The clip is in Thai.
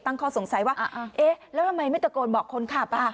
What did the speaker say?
ข้อสงสัยว่าเอ๊ะแล้วทำไมไม่ตะโกนบอกคนขับอ่ะ